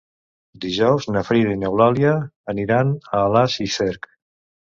Dijous na Frida i n'Eulàlia aniran a Alàs i Cerc.